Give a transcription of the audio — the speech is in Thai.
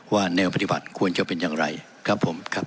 แนวปฏิบัติควรจะเป็นอย่างไรครับผมครับ